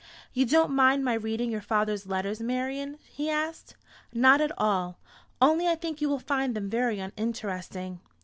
"You don't mind my reading your father's letters, Marian?" he asked. "Not at all. Only I think you will find them very uninteresting."